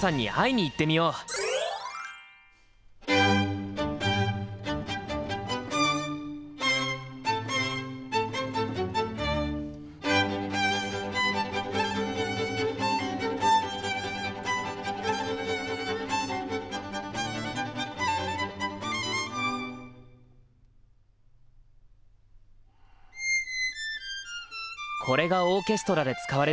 これがオーケストラで使われる弦楽器。